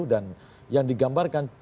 dan yang digambarkan